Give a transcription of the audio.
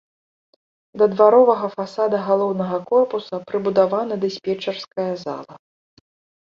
Да дваровага фасада галоўнага корпуса прыбудавана дыспетчарская зала.